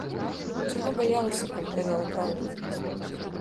Чаго баялася, калі казала праўду?